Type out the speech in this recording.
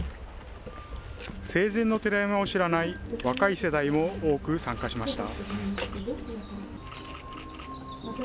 生前の寺山を知らない若い世代も多く参加しました。